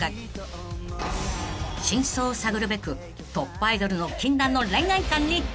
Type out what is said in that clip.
［真相を探るべくトップアイドルの禁断の恋愛観に切り込みます］